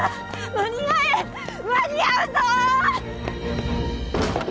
間に合うぞー！